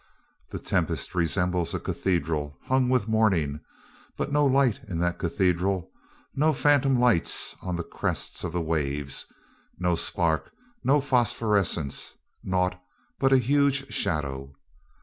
The tempest resembles a cathedral hung with mourning, but no light in that cathedral: no phantom lights on the crests of the waves, no spark, no phosphorescence, naught but a huge shadow.